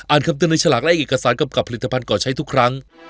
คำเตือนในฉลากและเอกสารกำกับผลิตภัณฑ์ก่อใช้ทุกครั้ง